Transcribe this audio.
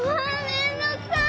めんどうくさい！